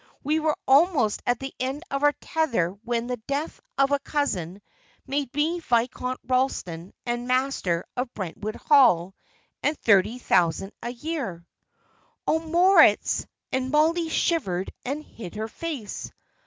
We were almost at the end of our tether when the death of a cousin made me Viscount Ralston and master of Brentwood Hall and thirty thousand a year." "Oh, Moritz!" and Mollie shivered and hid her face.